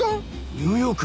ニューヨーク⁉